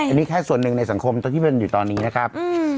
อันนี้แค่ส่วนหนึ่งในสังคมที่เป็นอยู่ตอนนี้นะครับ